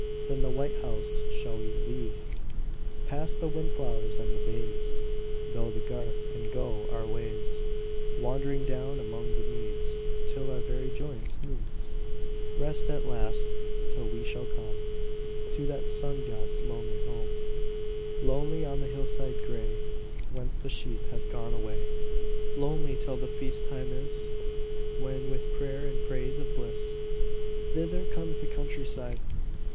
Then the white house shall we leave. Pass the wind flowers and the bays, Through the garth, and go our ways, Wandering down among the meads Till our very joyance needs Rest at last; till we shall come To that Sun god's lonely home, Lonely on the hillside grey, Whence the sheep have gone away; Lonely till the feast time is, When with prayer and praise of bliss, Thither comes the country side.